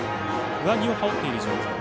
上着を羽織っています。